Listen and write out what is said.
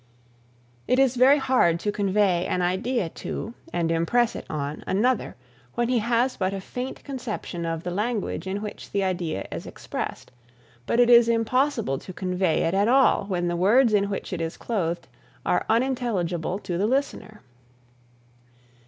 It is very hard to convey an idea to, and impress it on, another when he has but a faint conception of the language in which the idea is expressed; but it is impossible to convey it at all when the words in which it is clothed are unintelligible to the listener.